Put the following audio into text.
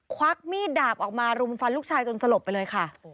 ควักมีดดาบออกมารุมฟันลูกชายจนสลบไปเลยค่ะ